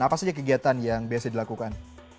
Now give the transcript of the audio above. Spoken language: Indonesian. apa saja kegiatan yang biasa dilakukan